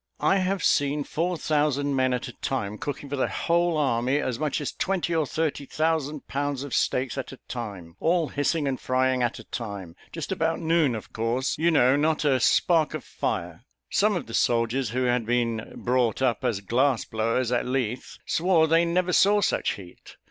I have seen four thousand men at a time cooking for the whole army as much as twenty or thirty thousand pounds of steaks at a time, all hissing and frying at a time just about noon, of course, you know not a spark of fire! Some of the soldiers, who had been brought up as glass blowers, at Leith, swore they never saw such heat.